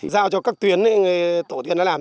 giao cho các tuyến tổ tuyến đã làm